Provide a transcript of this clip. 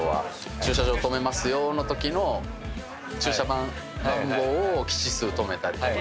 駐車場止めますよのときの駐車番号を吉数止めたりとか。